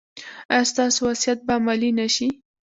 ایا ستاسو وصیت به عملي نه شي؟